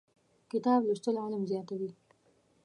کتاب لوستل علم زیاتوي.